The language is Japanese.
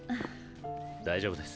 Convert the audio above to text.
大丈夫です。